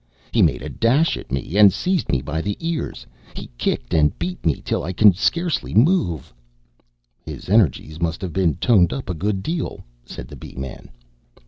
He made a dash at me and seized me by the ears; he kicked and beat me till I can scarcely move." "His energies must have been toned up a good deal," said the Bee man.